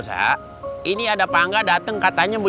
jadi anaknya panggilan gue minta mbakmpuh